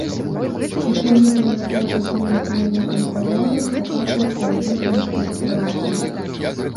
Усё відэа, якое за дзень адзнялі кантралёры, закачваецца у адзін цэнтр архівацыі.